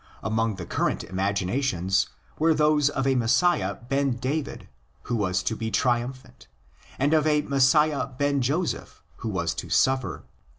Among the current inaginations were those of a Messiah ben David who was to be trium phant, and of a Messiah ben Joseph who was to suffer.